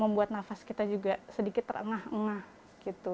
membuat nafas kita juga sedikit terengah engah gitu